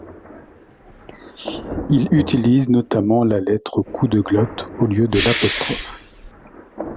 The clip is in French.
Il utilise notamment la lettre coup de glotte ʔ au lieu de l’apostrophe.